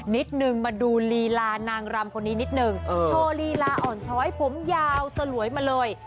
นิดนึงมาดูลีลานางรำคนนี้นิดนึงโชว์ลีลาอ่อนช้อยผมยาวสลวยมาเลย